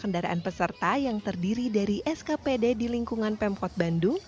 kendaraan peserta yang terdiri dari skpd di lingkungan pemkot bandung